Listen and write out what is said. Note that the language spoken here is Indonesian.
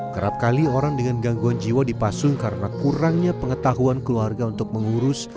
kerap kali orang dengan gangguan jiwa dipasung karena kurangnya pengetahuan keluarga untuk mengurus